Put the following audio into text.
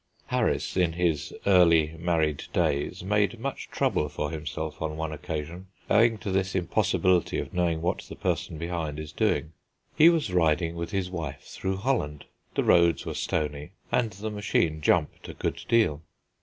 Harris, in his early married days, made much trouble for himself on one occasion, owing to this impossibility of knowing what the person behind is doing. He was riding with his wife through Holland. The roads were stony, and the machine jumped a good deal.